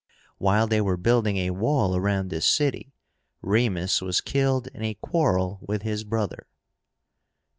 While they were building a wall around this city, Remus was killed in a quarrel with his brother.